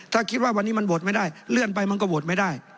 ถ้าคิดว่าวันนี้มันโหวตไม่ได้เลื่อนไปมันก็โหวตไม่ได้